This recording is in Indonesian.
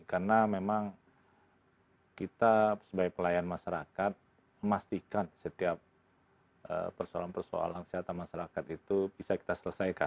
karena memang kita sebagai pelayan masyarakat memastikan setiap persoalan persoalan sehat masyarakat itu bisa kita selesaikan gitu ya